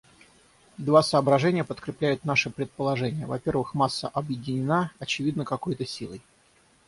Два соображения подкрепляют наше предположение: во-первых, масса объединена, очевидно, какой-то силой.